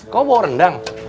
kamu mau rendang